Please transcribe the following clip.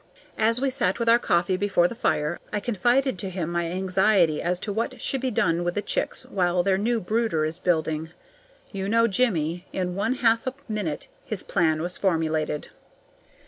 As we sat with our coffee before the fire, I confided to him my anxiety as to what should be done with the chicks while their new brooder is building. You know Jimmie. In one half a minute his plan was formulated.